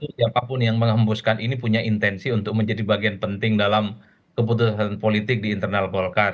siapapun yang menghembuskan ini punya intensi untuk menjadi bagian penting dalam keputusan politik di internal golkar